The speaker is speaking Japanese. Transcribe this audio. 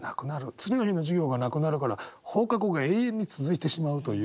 次の日の授業がなくなるから放課後が永遠に続いてしまうという。